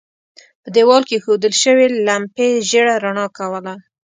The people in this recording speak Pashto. په دېوال کې اېښودل شوې لمپې ژېړه رڼا کوله.